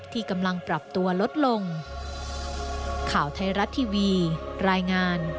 ที่กำลังปรับตัวลดลง